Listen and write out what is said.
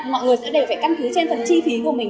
mọi người sẽ đều phải căn cứ trên phần chi phí của mình